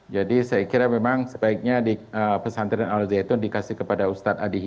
jadi saya kira memang sebaiknya pesantren al zaitun dikasih kepada ustadz adi hidayat